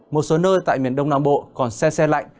một số nơi tại miền đông nam bộ còn xe xe lạnh